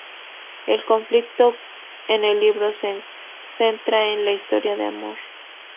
El conflicto en el libro se centra en la historia de amor.